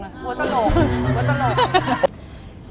หัวตลก